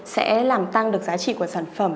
sẽ làm tăng được giá trị của sản phẩm